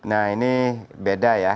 nah ini beda ya